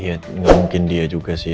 iya gak mungkin dia juga sih